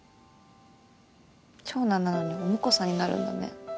長男なのにお婿さんになるんだね。